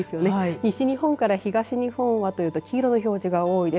西日本から東日本はというと黄色い表示が多いです。